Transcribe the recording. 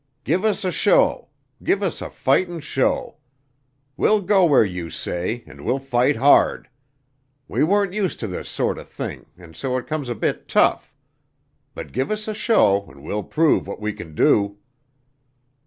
Give us a show, give us a fightin' show. We'll go where you say and we'll fight hard. We weren't used to this sorter thing an' so it comes a bit tough. But give us a show an' we'll prove what we can do."